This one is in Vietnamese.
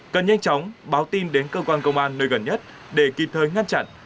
cần nhanh chóng báo tin đến cơ quan công an nơi gần nhất để kịp thời ngăn chặn